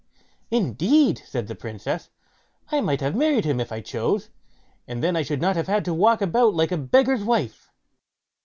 "Indeed!" said the Princess; "I might have married him if I chose, and then I should not have had to walk about like a beggar's wife."